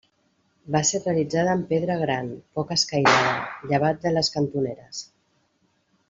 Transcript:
Va ser realitzada amb pedra gran, poc escairada, llevat de les cantoneres.